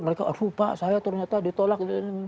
mereka lupa saya ternyata ditolak